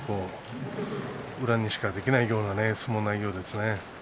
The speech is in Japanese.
宇良にしかできないような相撲内容ですね。